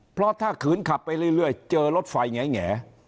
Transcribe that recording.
เพราะถ้าขืนขับไปเรื่อยเจอรถไฟแง่